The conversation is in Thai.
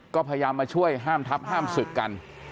ก็พยายามมาช่วยห้ามทับห้ามศึกกัน